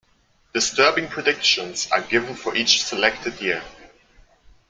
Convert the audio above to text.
Disturbing predictions are given for each selected year.